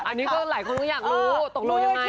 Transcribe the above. อันนี้ก็หลายคนอยากรู้ตรงรู้ยังไง